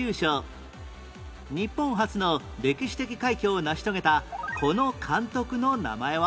日本初の歴史的快挙を成し遂げたこの監督の名前は？